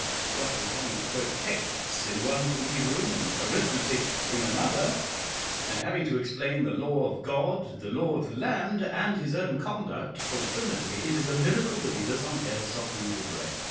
What with having to quote texts in one committee room, and arithmetic in another, and having to explain the law of God, the law of the land, and his own conduct alternately, it is a miracle that he does not get a softening of the brain.